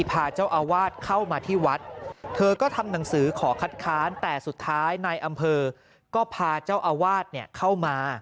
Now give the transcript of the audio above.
พาเจ้าอาวาสเข้ามาที่วัดเธอก็ทำหนังสือขอคัดค้านแต่สุดท้ายนายอำเภอก็พาเจ้าอาวาสเนี่ยเข้ามา